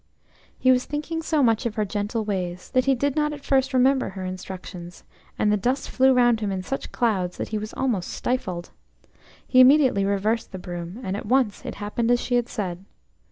He was thinking so much of her gentle ways that he did not at first remember her instructions, and the dust flew round him in such clouds that he was almost stifled. He immediately reversed the broom, and at once it happened as she had said.